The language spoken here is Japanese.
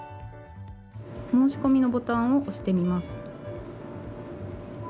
申し込みのボタンを押してみます。